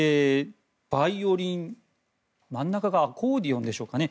バイオリン、真ん中がアコーディオンでしょうか。